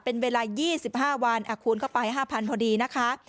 เป็นเวลายี่สิบห้าวันอ่ะคูณเข้าไปห้าพันพอดีนะคะ